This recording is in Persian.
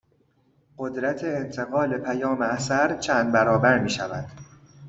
قدرت انتقال پیام اثر چند برابر می شود